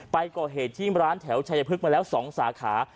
ไปก่อเหตุที่ร้านแถวชายพึกมาแล้ว๒สาขา